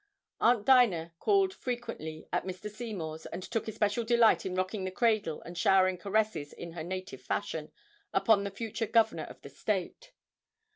Aunt Dinah called frequently at Mr. Seymour's and took especial delight in rocking the cradle and showering caresses in her native fashion upon the future Governor of the State.